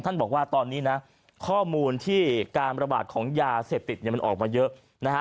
ท่านบอกว่าตอนนี้นะข้อมูลที่การบรรบาดของยาเสพติดมันออกมาเยอะ